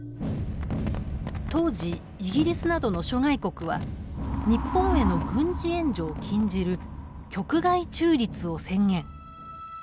当時イギリスなどの諸外国は日本への軍事援助を禁じる局外中立を宣言。